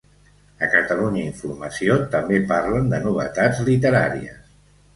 A Catalunya Informació també parlen de novetats literàries.